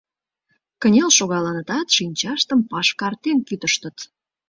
Кынел шогалынытат, шинчаштым пашкартен кӱтыштыт.